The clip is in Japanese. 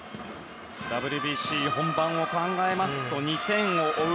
ＷＢＣ本番を考えますと２点を追う